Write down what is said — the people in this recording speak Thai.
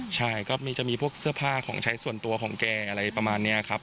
ใช่ก็จะมีพวกเสื้อผ้าของใช้ส่วนตัวของแกอะไรประมาณนี้ครับ